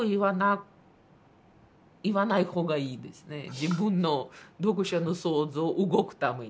自分の読者の想像動くために。